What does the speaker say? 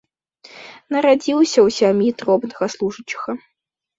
Нарадзіўся ў сям'і дробнага служачага.